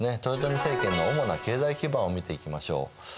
豊臣政権の主な経済基盤を見ていきましょう。